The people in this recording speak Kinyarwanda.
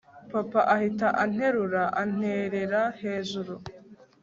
papa ahita anterura anterera hejuru